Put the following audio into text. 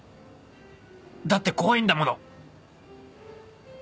だって怖いんだもの！